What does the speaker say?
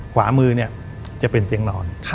ขวามือเนี่ยจะเป็นเตียงนอน